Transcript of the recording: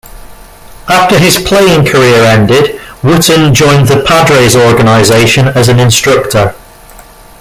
After his playing career ended, Wooten joined the Padres organization as an instructor.